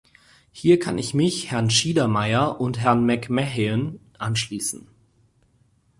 Hier kann ich mich Herrn Schiedermeier und Herrn McMahon anschließen.